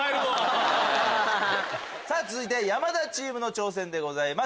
続いて山田チームの挑戦でございます。